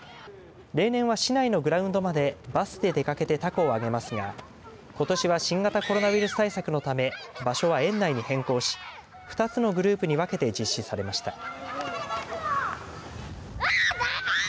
例年は、市内のグラウンドまでバスで出かけてたこを揚げますがことしは新型コロナウイルス対策のため場所は園内に変更し２つのグループに分けて実施されました。